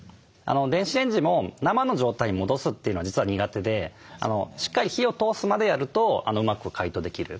電子レンジも生の状態に戻すというのは実は苦手でしっかり火を通すまでやるとうまく解凍できる。